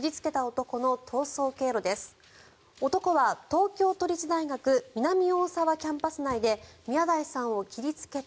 男は東京都立大学南大沢キャンパス内で宮台さんを切りつけた